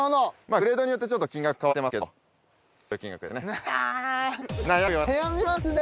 グレードによってちょっと金額変わってますけどそういう金額ですね。